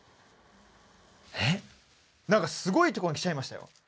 何かすごいところに来ちゃいましたよ